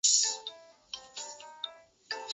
多希巴以垦山为生。